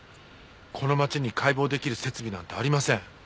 この町に解剖できる設備なんてありません。